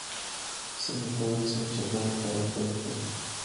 څنګه کولی شم د چرګانو فارم پیل کړم